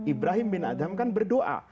ibrahim bin adam kan berdoa